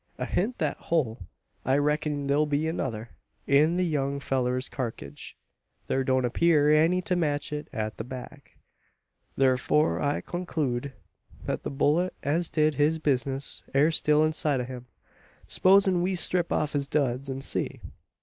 Ahint that hole I reck'n thur'll be another, in the young fellur's karkidge. Thar don't appear any to match it at the back. Thurfor I konklude, thet the bullet as did his bizness air still inside o' him. S'posin' we strip off his duds, an see!"